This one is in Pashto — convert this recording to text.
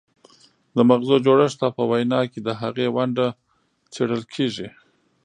د مغزو جوړښت او په وینا کې د هغې ونډه څیړل کیږي